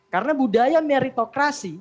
karena budaya meritokrasi